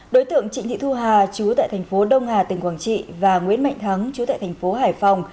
đối tượng trịnh thị thu hà chú tại thành phố đông hà tỉnh quảng trị và nguyễn mạnh thắng chú tại thành phố hải phòng